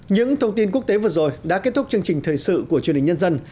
những thông tin quốc tế vừa rồi đã kết thúc chương trình thời sự của chương trình nhân dân